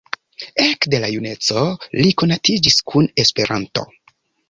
Ekde la juneco li konatiĝis kun Esperanto.